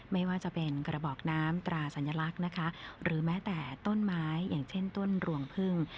ไม่ว่าจะเป็นกระบอกน้ำตราสัญลักษณ์นะคะหรือแม้แต่ต้นไม้อย่างเช่นต้นรวงพึ่ง